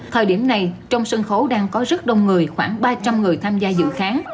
thời điểm này trong sân khấu đang có rất đông người khoảng ba trăm linh người tham gia dự kháng